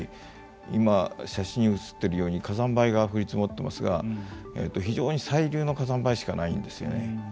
今、写真写っているように火山灰が降り積もっていますが非常に細粒の火山灰しかないんですよね。